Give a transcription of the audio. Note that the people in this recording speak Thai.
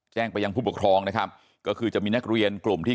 แจ้งไปยังผู้ปกครองนะครับก็คือจะมีนักเรียนกลุ่มที่